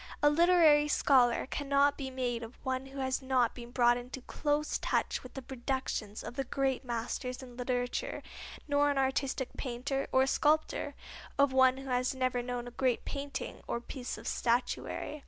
A literary scholar cannot be made of one who has not been brought into close touch with the productions of the great masters in literature, nor an artistic painter, or sculptor, of one who has never known a great painting or piece of statuary.